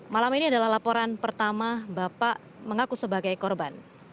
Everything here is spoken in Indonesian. malam ini adalah laporan pertama bapak mengaku sebagai korban